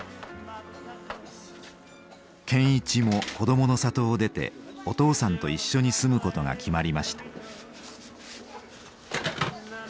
健一も「こどもの里」を出てお父さんと一緒に住むことが決まりました。